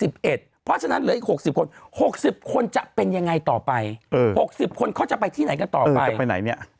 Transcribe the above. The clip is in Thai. เพราะฉะนั้นเหลืออีก๖๐คน๖๐คนจะเป็นยังไงต่อไป๖๐คนเขาจะไปที่ไหนกันต่อไปจะไปไหนเนี่ย